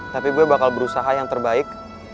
tapi gue bakal berusaha yang terbaik